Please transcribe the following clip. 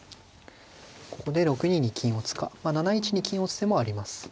ここで６二に金を打つかまあ７一に金を打つ手もあります。